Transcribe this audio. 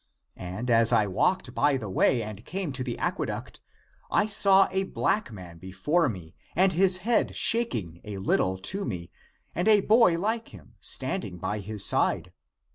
And as I walked by the way and came to the aqueduct, I saw a black man before me and his head shaking a little to me and a boy like him, standing by his side.